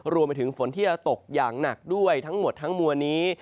รวมไปถึงฝนที่จะตกอย่างหนักด้วยทั้งหมดทั้งมวลนี้